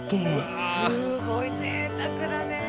すごいぜいたくだね。